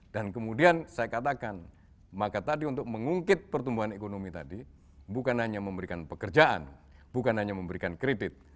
dan kemudian saya katakan maka tadi untuk mengungkit pertumbuhan ekonomi tadi bukan hanya memberikan pekerjaan bukan hanya memberikan kredit